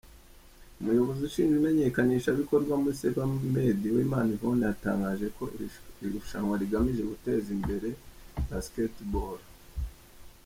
Umuyobozi ushinzwe Imenyekanishabikorwa muri Sebamed, Uwimana Yvonne, yatangaje ko irushanwa rigamije guteza imbere Basketball.